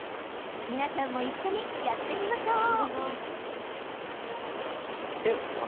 皆さんも一緒にやってみましょう。